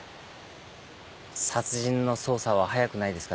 殺人の捜査は早くないですかね？